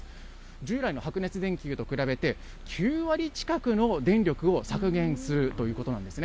従来の白熱電球と比べて、９割近くの電力を削減するということなんですね。